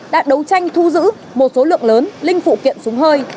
đã đấu tranh thu giữ một số lượng lớn linh phụ kiện súng hơi